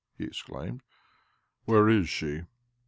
" he exclaimed. "Where is she?"